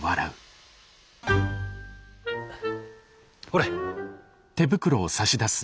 ほれ。